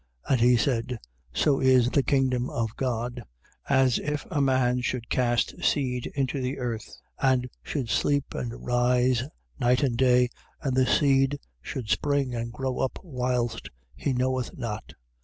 4:26. And he said: So is the kingdom of God, as if a man should cast seed into the earth, 4:27. And should sleep, and rise, night and day, and the seed should spring, and grow up whilst he knoweth not.